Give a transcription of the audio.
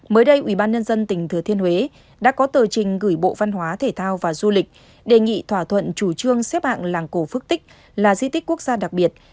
mới đây ubnd tỉnh thừa thiên huế đã có tờ trình gửi bộ văn hóa thể thao và du lịch đề nghị thỏa thuận chủ trương xếp hạng làng cổ phước tích là di tích quốc gia đặc biệt